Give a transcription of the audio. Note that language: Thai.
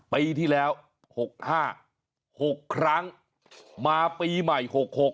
ปีที่แล้ว๖๕๖ครั้งมาปีใหม่๖๖